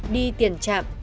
đi tiền chạm